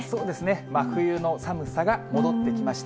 真冬の寒さが戻ってきました。